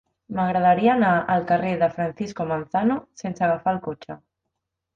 M'agradaria anar al carrer de Francisco Manzano sense agafar el cotxe.